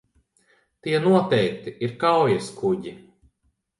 Tie noteikti ir kaujaskuģi.